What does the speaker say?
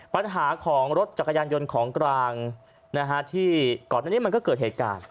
ปัญหาของรถจักรยานยนต์ของกลางที่ก่อนหน้านี้มันก็เกิดเหตุการณ์